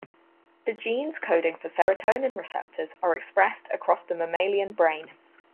The genes coding for serotonin receptors are expressed across the mammalian brain.